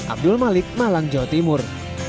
abdul malik malang jawa timur